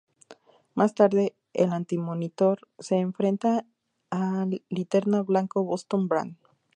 Más tarde, el Antimonitor se enfrenta al Linterna blanco Boston Brand.